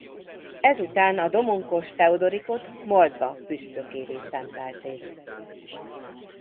Ezután a domonkos Teodorikot Moldva püspökkévé szentelték.